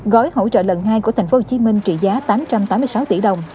gói hỗ trợ lần hai của tp hcm trị giá tám trăm tám mươi sáu tỷ đồng